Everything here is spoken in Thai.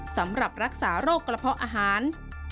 สำหรับรักษาโรคกระเพาะอาหาร